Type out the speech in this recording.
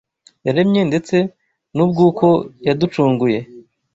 yaremye ndetse n’ubw’uko yaducunguye